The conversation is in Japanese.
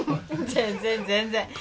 全然全然。